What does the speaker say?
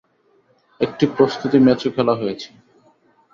একটি প্রস্তুতি ম্যাচও খেলা হয়েছে।